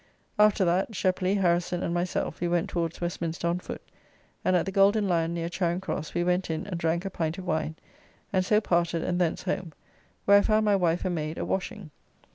After that Sheply, Harrison and myself, we went towards Westminster on foot, and at the Golden Lion, near Charing Cross, we went in and drank a pint of wine, and so parted, and thence home, where I found my wife and maid a washing.